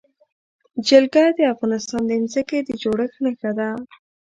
جلګه د افغانستان د ځمکې د جوړښت نښه ده.